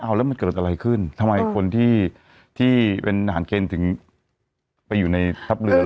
เอาแล้วมันเกิดอะไรขึ้นทำไมคนที่ที่เป็นทหารเกณฑ์ถึงไปอยู่ในทัพเรือ